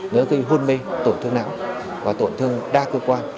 nó gây hôn mê tổn thương não và tổn thương đa cơ quan